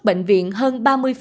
bệnh viện hơn ba mươi